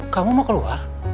kamu mau keluar